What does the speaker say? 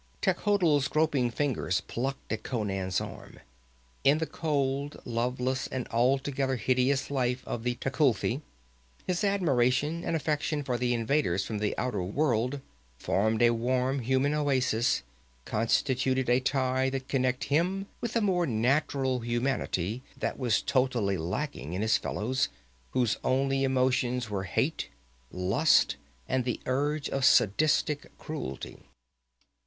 Techotl's groping fingers plucked at Conan's arm. In the cold, loveless and altogether hideous life of the Tecuhltli his admiration and affection for the invaders from the outer world formed a warm, human oasis, constituted a tie that connected him with a more natural humanity that was totally lacking in his fellows, whose only emotions were hate, lust and the urge of sadistic cruelty.